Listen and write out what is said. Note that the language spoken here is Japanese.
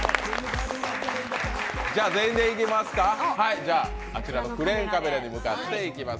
全員でいきますか、あちらのクレーンカメラに向かっていきます。